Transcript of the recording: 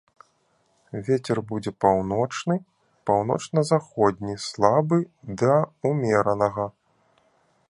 Вецер будзе паўночны, паўночна-заходні слабы да ўмеранага.